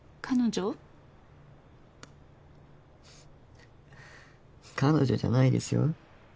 彼女じゃないですよ。